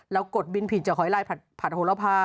กดบินผิดจะหอยลายผัดโหระพา